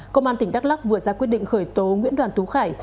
công an tỉnh đắk lắc vừa ra quyết định khởi tố nguyễn đoàn tú khải